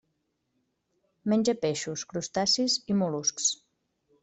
Menja peixos, crustacis i mol·luscs.